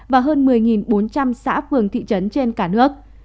và hơn một mươi bốn trăm linh xã phường thị trấn trên cả nước